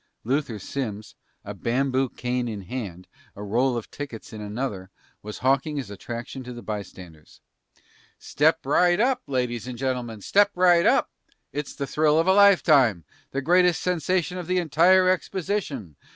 Luther Simms, a bamboo cane in one hand, a roll of tickets in another, was hawking his attraction to the bystanders. "Step right up, ladies and gentlemen! Step right up! It's a thrill of a lifetime, the greatest sensation of the entire exposition.